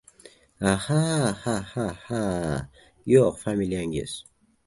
— Aha, ha-ha-ha! Yo‘q, familiyangiz?